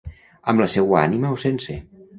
Amb la seua ànima o sense.